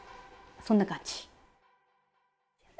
そんな感じ。